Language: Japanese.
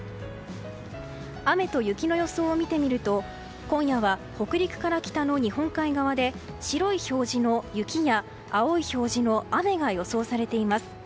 雨と雪の予想を見てみると今夜は北陸から北の日本海側で白い表示の雪や青い表示の雨が予想されています。